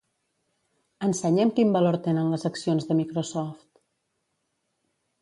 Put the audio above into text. Ensenya'm quin valor tenen les accions de Microsoft.